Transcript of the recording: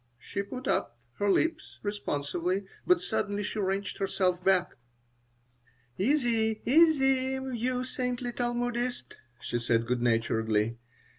She put up her lips responsively, but suddenly she wrenched herself back "Easy, easy, you saintly Talmudist," she said, good naturedly.